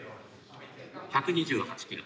１２８キロ。